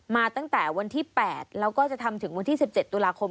มาตั้งแต่วันที่๘แล้วก็จะทำถึงวันที่๑๗ตุลาคม